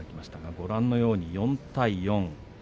ご覧のように４対４。